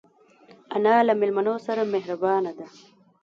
انا له مېلمنو سره مهربانه ده